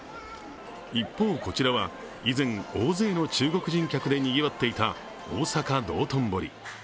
一方、こちらは以前大勢の中国人客でにぎわっていた大阪・道頓堀。